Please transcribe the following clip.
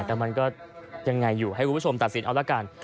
แต่มันก็ยังไงอยู่ให้คุณผู้ชมตัดสินเอาละกัน